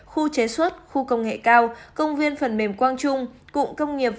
khu chế xuất khu công nghệ cao công viên phần mềm quang trung cụng công nghiệp